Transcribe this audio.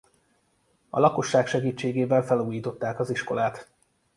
A lakosság segítségével felújították az iskolát.